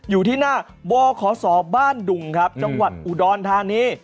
อยู่ที่หน้าบ่อขอสอบบ้านดุ่งครับจังหวัดกุดอนทานี